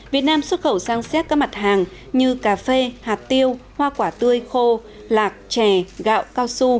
việt nam xuất khẩu sang xéc các mặt hàng như cà phê hạt tiêu hoa quả tươi khô lạc chè gạo cao su